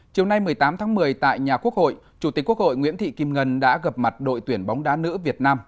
chiều nay một mươi tám tháng một mươi tại nhà quốc hội chủ tịch quốc hội nguyễn thị kim ngân đã gặp mặt đội tuyển bóng đá nữ việt nam